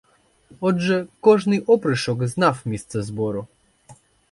Отже, кожний опришок знав місце збору.